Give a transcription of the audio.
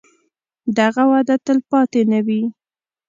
دغه وده تلپاتې نه وي.